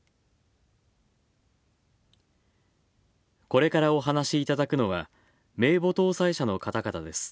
これからお話しいただくのは、名簿登載者の方々です。